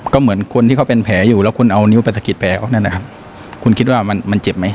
ก็เหมือนคนที่เขาเป็นแผลอยู่แล้วคุณเอานิ้วไปสะกิดแผลเขานั่นนะครับคุณคิดว่ามันมันเจ็บไหม